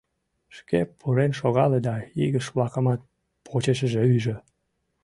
Шке пурен шогале да игыж-влакымат почешыже ӱжӧ.